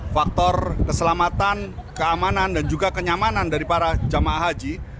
faktor keselamatan keamanan dan juga kenyamanan dari para jemaah haji